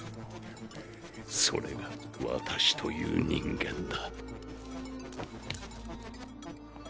それが私という人間だ。